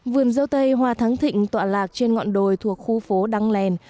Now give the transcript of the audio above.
vườn dâu tây hoa thắng thịnh tọa lạc trên ngọn đồi thuộc khu phố đăng lèn